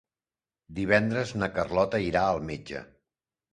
Divendres na Carlota irà al metge.